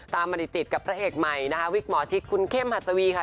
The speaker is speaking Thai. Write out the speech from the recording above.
มาริจิตกับพระเอกใหม่นะคะวิกหมอชิคคุณเข้มหัสวีค่ะ